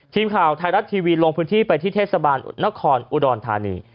ทีมข่าวไทยรัฐทีวีลงพื้นที่ไปที่เทศบาลนครอุดรธานี